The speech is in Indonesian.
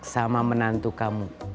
sama menantu kamu